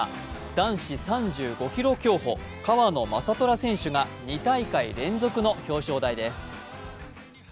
男子３５ｋｍ競歩・川野将虎選手が２大会連続の表彰台です。